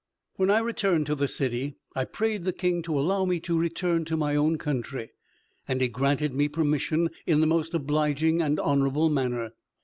When I returned to the city I prayed the king to allow me to return to my own country, and he granted me permission in the most obliging and honorable manner.